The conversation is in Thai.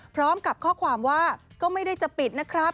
พร้อมกับข้อความว่าก็ไม่ได้จะปิดนะครับ